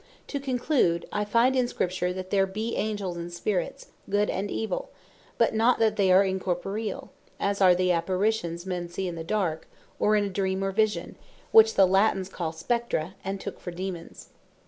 To conclude, I find in Scripture that there be Angels, and Spirits, good and evill; but not that they are Incorporeall, as are the Apparitions men see in the Dark, or in a Dream, or Vision; which the Latines call Spectra, and took for Daemons.